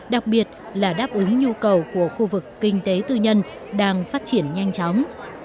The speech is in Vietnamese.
đặc biệt là đáp ứng nhu cầu của khu vực kinh tế tư nhân đang phát triển nhanh chóng